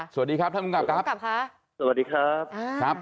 สวัสดีครับท่านผู้อำกับ